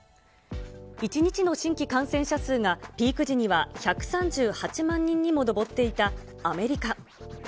一日の新規感染者数がピーク時には１３８万人にも上っていたアメリカ。